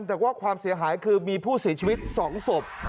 แต่ว่าความเสียหายคือมีผู้เสียชีวิต๒ศพ